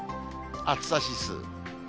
暑さ指数。